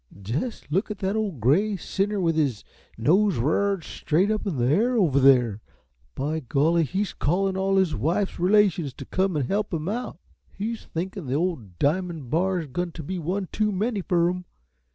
"Jest look at that ole gray sinner with his nose r'ared straight up in the air over there! By golly, he's callin' all his wife's relations t' come an' help 'em out. He's thinkin' the ole Diamon' Bar's goin' t' be one too many fer 'em.